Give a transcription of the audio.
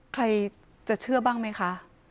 ใครจะเชื่อบ้างไหมคะ